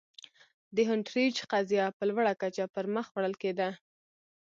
د هونټریج قضیه په لوړه کچه پر مخ وړل کېده.